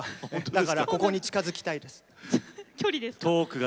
だから谷原さんに近づきたいです。